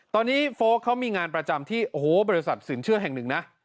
ตอนนี้โฟลกเขามีงานประจำที่โอ้โหบริษัทสินเชื่อแห่งหนึ่งนะ